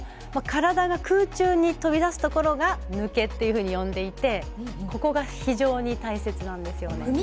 体が空中にとび出すところが抜けというふうに呼んでいてここが非常に大切なんですよね。